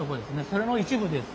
それの一部です。